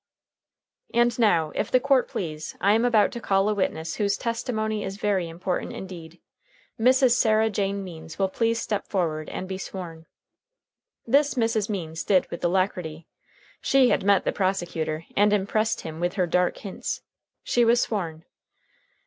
"And, now, if the court please, I am about to call a witness whose testimony is very important indeed. Mrs. Sarah Jane Means will please step forward and be sworn." This Mrs. Means did with alacrity. She had met the prosecutor, and impressed him with her dark hints. She was sworn.